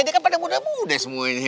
dia kan pada muda muda semuanya